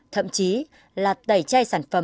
thậm chí là đẩy chai sản phẩm giàn dối